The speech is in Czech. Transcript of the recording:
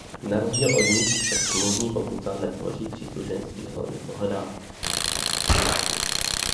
Na rozdíl od nich však smluvní pokuta netvoří příslušenství hlavní pohledávky.